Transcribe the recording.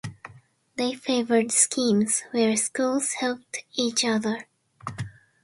They favoured schemes where schools helped each other.